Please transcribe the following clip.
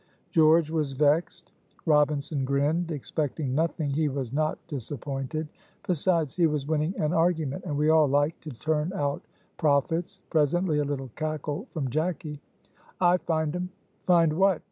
George was vexed. Robinson grinned; expecting nothing, he was not disappointed. Besides, he was winning an argument, and we all like to turn out prophets. Presently a little cackle from Jacky. "I find um!" "Find what?"